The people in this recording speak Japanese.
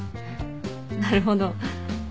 なるほど。